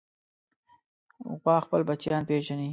غوا خپل بچیان پېژني.